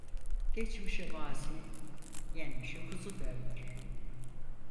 Geçmişe mazi, yenmişe kuzu derler.